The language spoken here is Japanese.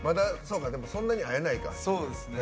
そんなに会えないか。